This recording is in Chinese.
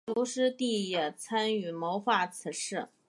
卢师谛也参与谋划此事。